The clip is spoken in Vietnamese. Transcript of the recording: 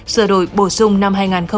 sửa đổi bổ sung năm hai nghìn một mươi bảy